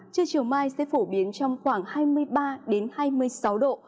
trưa chiều mai sẽ phổ biến trong khoảng hai mươi ba hai mươi sáu độ